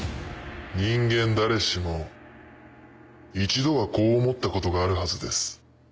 人間誰しも一度はこう思ったことがあるはずです。